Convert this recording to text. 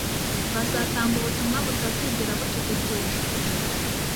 bazatanga ubutumwa butazigera bucecekeshwa